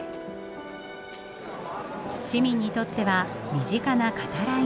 市民にとっては身近な語らいの場。